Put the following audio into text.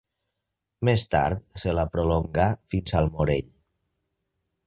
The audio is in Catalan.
Més tard se la prolongà fins al Morell.